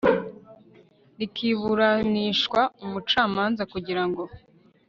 rukiburanishwa umucamanza kugira ngo